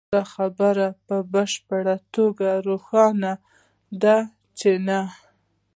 دا خبره په بشپړه توګه روښانه ده چې نه